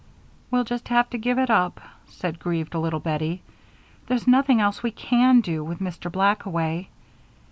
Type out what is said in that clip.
"We'll just have to give it up," said grieved little Bettie. "There's nothing else we can do, with Mr. Black away.